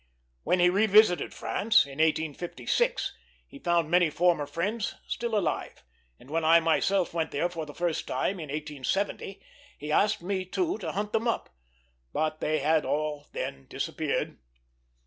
When he revisited France, in 1856, he found many former friends still alive, and when I myself went there for the first time, in 1870, he asked me too to hunt them up; but they had all then disappeared.